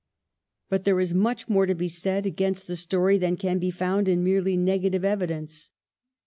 But there is much more to be said against the story than can be found in merely negative evidence.